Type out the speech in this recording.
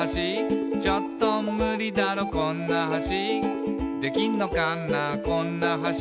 「ちょっとムリだろこんな橋」「できんのかなこんな橋」